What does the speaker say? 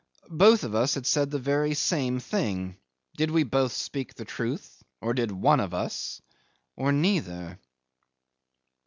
Both of us had said the very same thing. Did we both speak the truth or one of us did or neither?